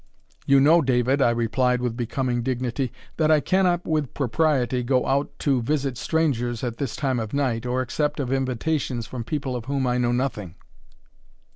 "You know, David," I replied, with becoming dignity, "that I cannot with propriety go out to visit strangers at this time of night, or accept of invitations from people of whom I know nothing."